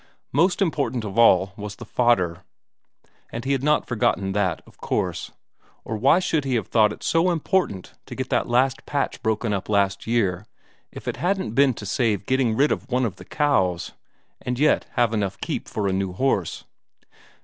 Most important of all was the fodder, and he had not forgotten that, of course; or why should he have thought it so important to get that last patch broken up last year if it hadn't been to save getting rid of one of the cows, and yet have enough keep for a new horse?